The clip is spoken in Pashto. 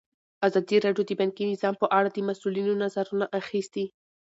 ازادي راډیو د بانکي نظام په اړه د مسؤلینو نظرونه اخیستي.